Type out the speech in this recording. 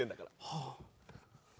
はあ。